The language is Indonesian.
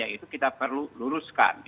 itu kita perlu luruskan